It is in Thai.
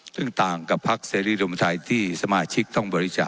ซึ่งต่างกับภาคเซรีโดมทรายที่สมาชิกต้องบริจาค